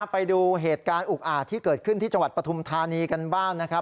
ไปดูเหตุการณ์อุกอาจที่เกิดขึ้นที่จังหวัดปฐุมธานีกันบ้างนะครับ